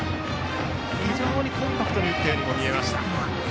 非常にコンパクトに打ったように見えました。